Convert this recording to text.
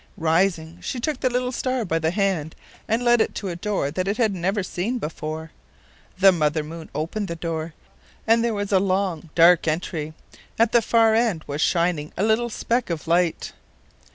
Rising, she took the little star by the hand and led it to a door that it had never seen before. The Mother Moon opened the door, and there was a long dark entry; at the far end was shining a little speck of light.